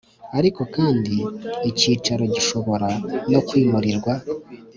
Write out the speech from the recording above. Ariko kandi icyicaro gishobora no kwimurirwa